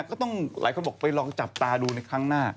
ก็ต้องหลายคนบอกไปลองจับตาดูในครั้งหน้า